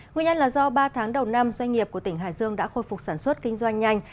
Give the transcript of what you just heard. nguyên nhân là do ba tháng đầu năm doanh nghiệp của tỉnh hải dương đã khôi phục sản xuất kinh doanh nhanh